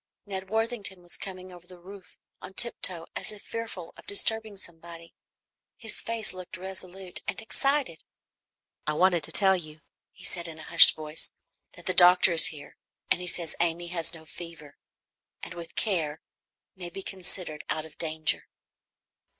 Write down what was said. Ned Worthington was coming over the roof on tiptoe as if fearful of disturbing somebody. His face looked resolute and excited. "I wanted to tell you," he said in a hushed voice, "that the doctor is here, and he says Amy has no fever, and with care may be considered out of danger."